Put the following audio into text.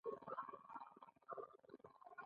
د ملکي خدمتونو پالیسي باید طرحه شي.